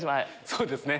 そうですね。